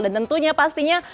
dan tentunya pastinya